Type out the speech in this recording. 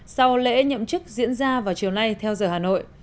sau lễ nhậm chức diễn ra vào chiều nay theo giờ hà nội